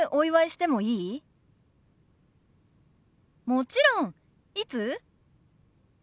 もちろん。いつ？